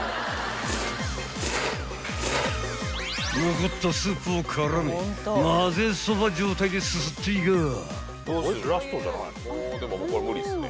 ［残ったスープを絡めまぜそば状態ですすっていかぁ］